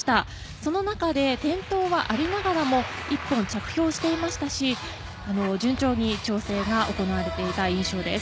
その中で転倒はありながらも１本、着氷していましたし順調に調整が行われていた印象です。